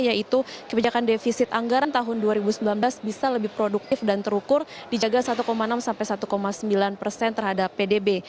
yaitu kebijakan defisit anggaran tahun dua ribu sembilan belas bisa lebih produktif dan terukur dijaga satu enam sampai satu sembilan persen terhadap pdb